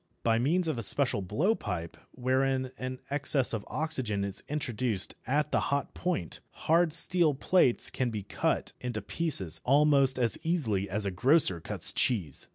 By means of a special blowpipe, wherein an excess of oxygen is introduced at the hot point, hard steel plates can be cut to pieces almost as easily as a grocer cuts cheese.